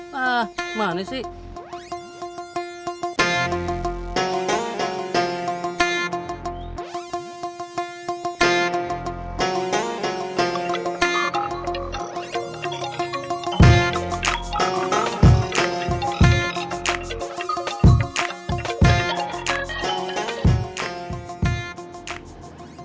hah mana sih